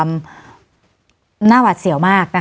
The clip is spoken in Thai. วันนี้แม่ช่วยเงินมากกว่า